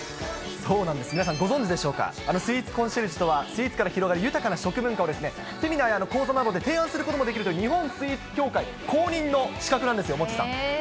そうなんです、皆さん、ご存じでしょうか、スイーツコンシェルジュとは、スイーツから広がる豊かな食文化を、セミナーや講座などで提案することもできるという、日本スイーツ協会公認の資格なんですよ、モッチーさん。